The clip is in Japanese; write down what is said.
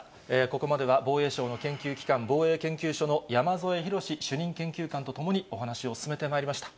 ここまでは、防衛省の研究機関、防衛研究所の山添博史主任研究官と共に、お話を進めてまいりました。